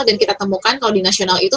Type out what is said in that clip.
dan kita temukan kalau di nasional itu